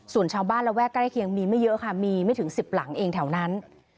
ส่วนชาวบ้านระแวกใกล้เคียงมีไม่เยอะค่ะมีไม่ถึง๑๐หลังเองแถวนั้น